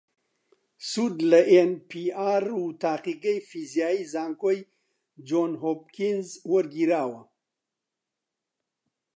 سود لە ئێن پی ئاڕ و تاقیگەی فیزیایی زانکۆی جۆن هۆپکینز وەرگیراوە